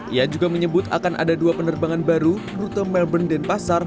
ia juga menyebut akan ada dua penerbangan baru rute melbourne dan pasar